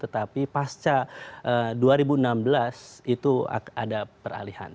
tetapi pasca dua ribu enam belas itu ada peralihan